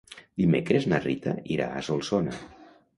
Dimecres na Rita irà a Solsona.